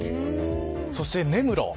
そして根室。